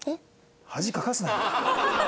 恥かかすなよ。